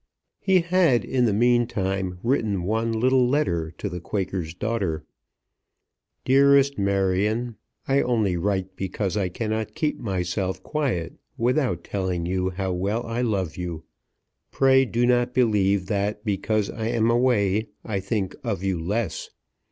He had in the mean time written one little letter to the Quaker's daughter; DEAREST MARION, I only write because I cannot keep myself quiet without telling you how well I love you. Pray do not believe that because I am away I think of you less.